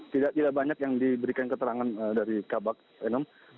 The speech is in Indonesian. tidak tidak banyak yang diberikan keterangan dari kabak penum